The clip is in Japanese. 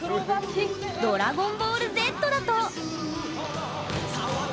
「ドラゴンボールＺ」だと。